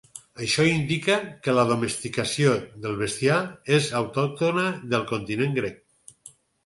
Això indica que la domesticació del bestiar és autòctona del continent grec.